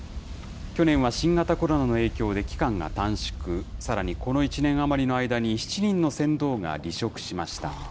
去年は新型コロナの影響で期間が短縮、さらにこの１年余りの間に７人の船頭が離職しました。